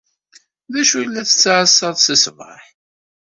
D acu i la tettɛassaḍ seg ṣṣbeḥ?